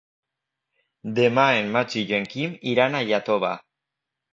Demà en Magí i en Quim iran a Iàtova.